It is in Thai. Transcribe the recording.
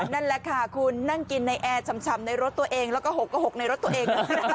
นั่นแหละค่ะคุณนั่งกินในแอร์ชำในรถตัวเองแล้วก็๖กับ๖ในรถตัวเอง